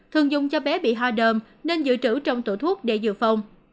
thường dùng cho bé bị hoa đơm nên giữ trữ trong tổ thuốc để dự phòng